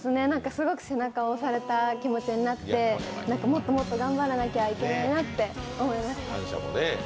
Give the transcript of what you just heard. すごく背中を押された気持ちになって、もっともっと頑張らなきゃいけないなって思いました。